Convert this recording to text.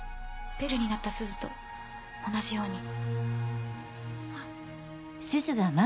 ベルになったすずと同じように。